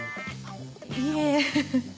いえ。